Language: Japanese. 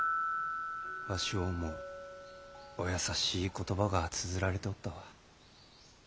わしを思うお優しい言葉がつづられておったわ。